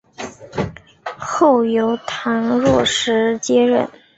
后由唐若时接任。